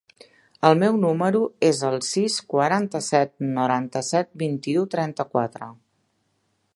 El meu número es el sis, quaranta-set, noranta-set, vint-i-u, trenta-quatre.